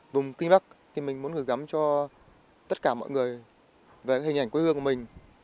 vùng kinh bắc thì mình muốn gặp cho tất cả mọi người về hình ảnh quê hương của mình